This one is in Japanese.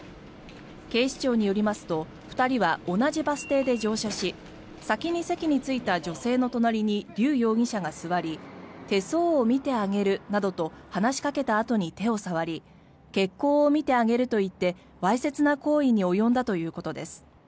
警視庁によりますと２人は同じバス停で乗車し先に席に着いた女性の隣にリュウ容疑者が座り手相を見てあげるなどと話しかけたあとに手を触り血行を見てあげると言ってわいせつな行為に及んだということです。